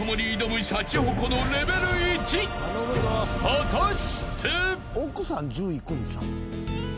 ［果たして？］